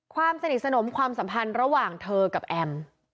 ความสนิทสนมความสัมพันธ์ระหว่างเธอกับแอม